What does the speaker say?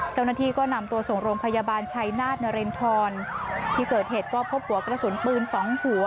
เจ้าหน้าที่ก็นำตัวส่งโรงพยาบาลชัยนาธนรินทรที่เกิดเหตุก็พบหัวกระสุนปืนสองหัว